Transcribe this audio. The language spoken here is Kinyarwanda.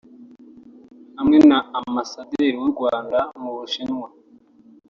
hamwe na Amasaderi w’u Rwanda mu Bushinwa